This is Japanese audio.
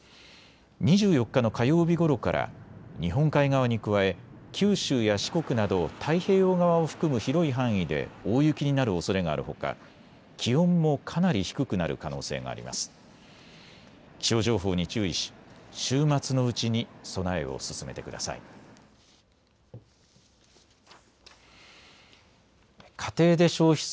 ２４日の火曜日ごろから日本海側に加え九州や四国など太平洋側を含む広い範囲で大雪になるおそれがあるほか、気温もかなり低くなる可能性があります。